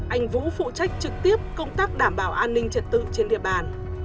anh vũ phụ trách trực tiếp công tác đảm bảo an ninh trật tự trên địa bàn